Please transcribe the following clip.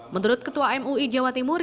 menurut ketua mui jawa timur